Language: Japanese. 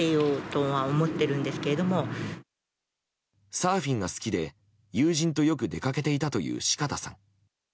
サーフィンが好きで、友人とよく出かけていたという四方さん。